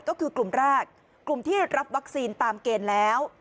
ก็คือกลุ่มแรกกลุ่มที่รับวัคซีนตามเกณฑ์แล้ว